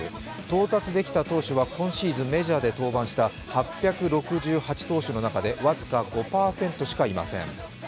到達できた投手は今シーズンメジャーで登板した８６８投手の中で僅か５％しかいません。